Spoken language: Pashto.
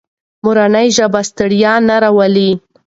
مورنۍ ژبه ستړیا نه راولي.